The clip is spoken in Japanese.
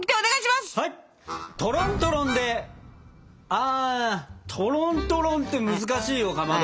あトロントロンって難しいよかまど。